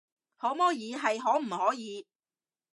可摸耳係可唔可以